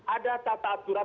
ada tata aturan